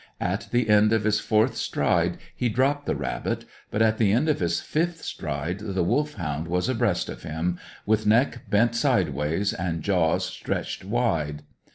At the end of his fourth stride, he dropped the rabbit; but at the end of his fifth stride the Wolfhound was abreast of him, with neck bent sideways, and jaws stretched wide.